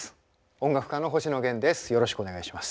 音楽家の星野源です。